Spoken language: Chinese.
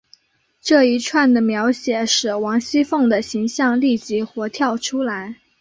这一串的描写使王熙凤的形象立即活跳出来。